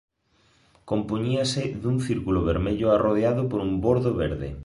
Compoñíase dun círculo vermello arrodeado por un bordo verde.